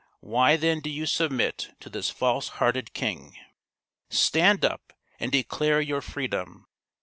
" Why then do you submit to this false hearted king? Stand up and declare your freedom.